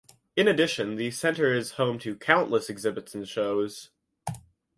In addition, the center is home to countless exhibits and shows.